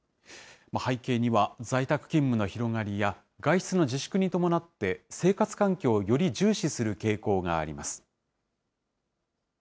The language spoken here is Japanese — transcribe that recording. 背景には、在宅勤務の広がりや、外出の自粛に伴って、生活環境をより重視する傾向があります。